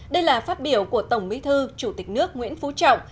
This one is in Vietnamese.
đây là phát biểu của tổng bí thư chủ tịch nước nguyễn phú trọng